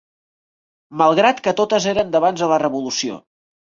Malgrat que totes eren d'abans de la revolució